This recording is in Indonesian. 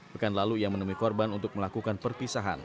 pekan lalu ia menemui korban untuk melakukan perpisahan